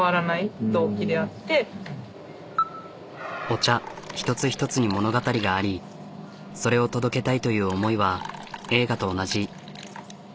お茶一つ一つに物語がありそれを届けたいという思いは映画と同じ。